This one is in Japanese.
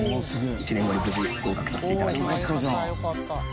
１年後に無事合格させて頂きました。